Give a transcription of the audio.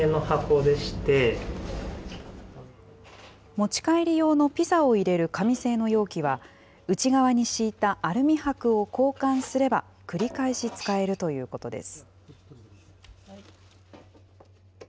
持ち帰り用のピザを入れる紙製の容器は、内側に敷いたアルミはくを交換すれば、繰り返し使えるということです。